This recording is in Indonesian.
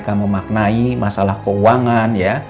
mereka memaknai masalah keuangan ya